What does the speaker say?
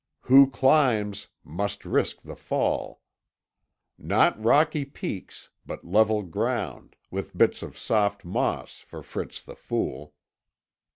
Who climbs must risk the fall. Not rocky peaks, but level ground, with bits of soft moss, for Fritz the Fool."